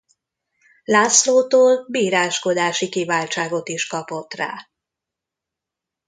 Lászlótól bíráskodási kiváltságot is kapott rá.